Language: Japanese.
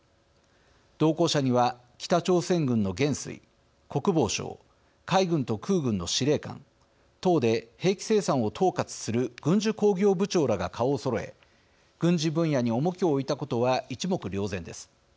同行者には、北朝鮮軍の元帥国防相、海軍と空軍の司令官党で兵器生産を統括する軍需工業部長らが顔をそろえ軍事分野に重きを置いたことは一目瞭然です。